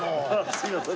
すいません。